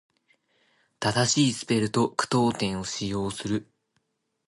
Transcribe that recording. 正しいスペルと句読点を使用する。